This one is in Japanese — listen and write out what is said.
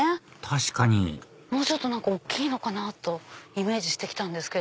確かにもうちょっと大きいのかなとイメージして来たんですけど。